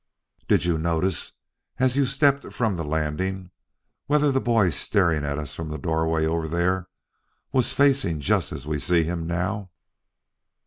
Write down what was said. "Did you notice, as you stepped from the landing, whether the boy staring at us from the doorway over there was facing just as we see him now?"